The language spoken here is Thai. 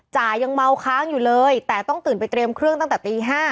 จ่ายังเมาค้างอยู่เลยแต่ต้องตื่นไปเตรียมเครื่องตั้งแต่ตี๕